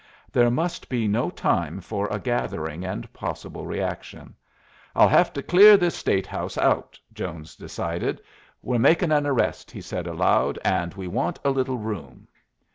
There must be no time for a gathering and possible reaction. "I'll hev to clear this State House out," Jones decided. "We're makin' an arrest," he said, aloud, "and we want a little room."